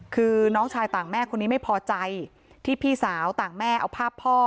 คือน้องชายต่างแม่คนนี้ไม่พอใจที่พี่สาวต่างแม่เอาภาพพ่อ